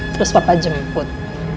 terus papa jemput